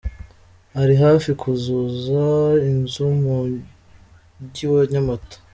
Ari hafi kuzuza inzu mu Mujyi wa Nyamata.